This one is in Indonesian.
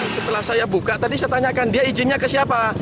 setelah saya buka tadi saya tanyakan dia izinnya ke siapa